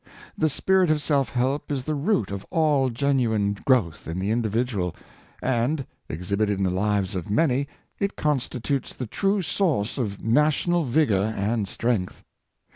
The spirit of self help is the root of all genuine growth in the individual; and, exhibited in the lives of many, it constitutes the true source of na tional vigor and strength.